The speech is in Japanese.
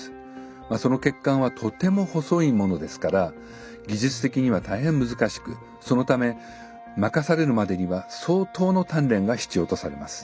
まあその血管はとても細いものですから技術的には大変難しくそのため任されるまでには相当の鍛錬が必要とされます。